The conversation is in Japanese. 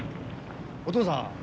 お義父さん。